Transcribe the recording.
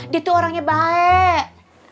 dia tuh orangnya baik